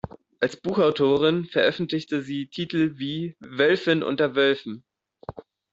Als Buchautorin veröffentlichte sie Titel wie "Wölfin unter Wölfen.